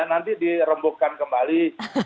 nanti dirembukkan kembali